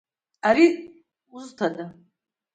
Ари узҭада?